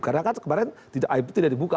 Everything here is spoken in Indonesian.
karena kan kemarin aib tidak dibuka